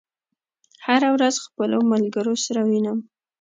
هره ورځ خپلو ملګرو سره وینم